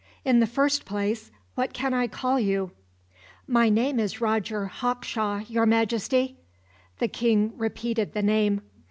In the first place, what can I call you?" "My name is Roger Hawkshaw, your Majesty." The king repeated the name.